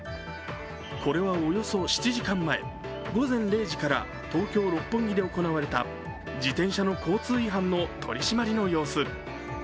これはおよそ７時間前、午前０時から東京・六本木で行われた自転車の交通違反の取り締まりの様子。